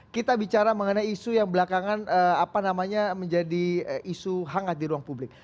kita bicara mengenai isu yang belakangan menjadi isu hangat di ruang publik